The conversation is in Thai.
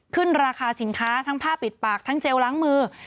ขึ้นราคาสินค้าทั้งผ้าปิดปากทั้งเจลล้างมือ